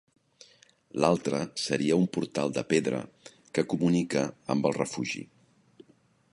L'altra seria un portal de pedra que comunica amb el refugi.